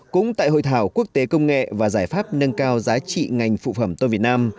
cũng tại hội thảo quốc tế công nghệ và giải pháp nâng cao giá trị ngành phụ phẩm tôm việt nam